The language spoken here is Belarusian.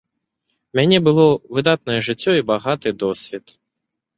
У мяне было выдатнае жыццё і багаты досвед.